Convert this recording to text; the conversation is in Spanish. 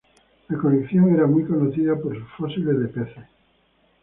La colección era muy conocida por sus fósiles de peces.